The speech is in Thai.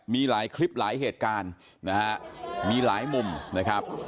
มีหลายคลิปหลายเหตุการณ์นะฮะมีหลายมุมนะครับ